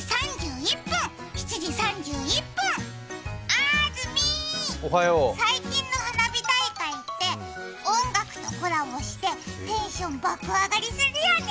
あずみー、最近の花火大会って音楽とコラボしてテンション爆上がりするよね。